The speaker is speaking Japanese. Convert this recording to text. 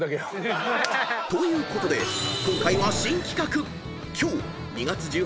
［ということで今回は新企画］